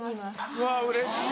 うわうれしい。